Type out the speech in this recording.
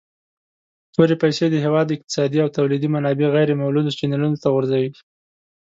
تورې پیسي د هیواد اقتصادي او تولیدي منابع غیر مولدو چینلونو ته غورځوي.